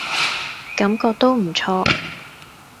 感覺都唔錯